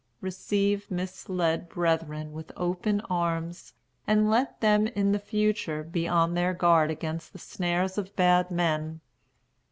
Receive misled brethren with open arms, and let them in the future be on their guard against the snares of bad men.